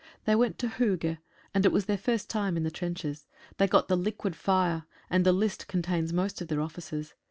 They went to Hooge, and it was their first time in the trenches. They got the liquid fire, and the list contains most of their officers.